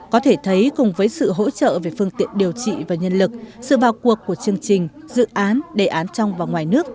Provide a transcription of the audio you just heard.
có thể thấy cùng với sự hỗ trợ về phương tiện điều trị và nhân lực sự vào cuộc của chương trình dự án đề án trong và ngoài nước